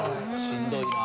しんどいな。